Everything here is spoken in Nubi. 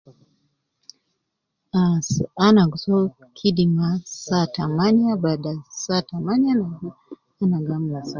Ahhh, ana gi soo kidima saa tamaniya bada saa tamaniya ana gi ana gi amla